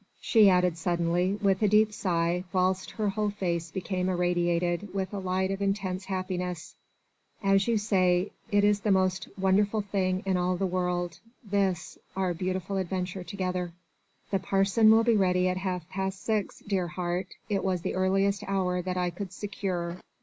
she added suddenly with a deep sigh whilst her whole face became irradiated with a light of intense happiness, "as you say it is the most wonderful thing in all the world this our beautiful adventure together." "The parson will be ready at half past six, dear heart, it was the earliest hour that I could secure